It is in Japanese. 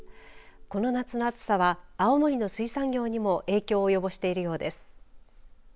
この夏の暑さは青森の水産業にも影響をおよぼしているようです。